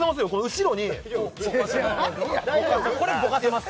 後ろにこれぼかせます